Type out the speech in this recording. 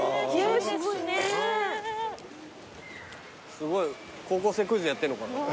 すごい『高校生クイズ』やってんのかな。